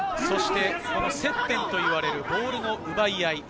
接点といわれる、ボールの奪い合い。